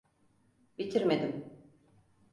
Bitirmedim.